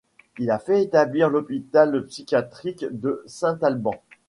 Il a fait établir l’hôpital psychiatrique de Saint-Alban.